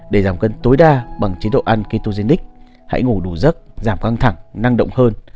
để giảm cân tối đa bằng chế độ ăn khi touric hãy ngủ đủ giấc giảm căng thẳng năng động hơn